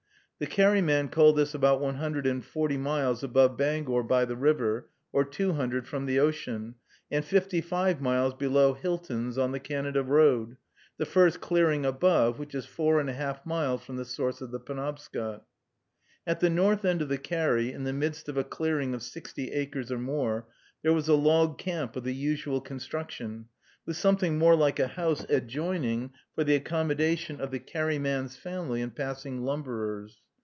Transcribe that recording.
The carry man called this about one hundred and forty miles above Bangor by the river, or two hundred from the ocean, and fifty five miles below Hilton's, on the Canada road, the first clearing above, which is four and a half miles from the source of the Penobscot. At the north end of the carry, in the midst of a clearing of sixty acres or more, there was a log camp of the usual construction, with something more like a house adjoining, for the accommodation of the carry man's family and passing lumberers.